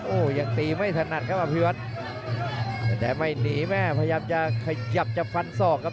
โอ้โหยังตีไม่ถนัดครับอภิวัตรแต่ไม่หนีแม่พยายามจะขยับจะฟันศอกครับ